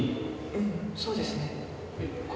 うんそうですね。